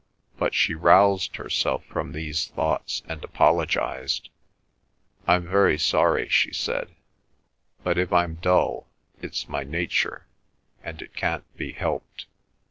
But she roused herself from these thoughts and apologised. "I'm very sorry," she said, "but if I'm dull, it's my nature, and it can't be helped."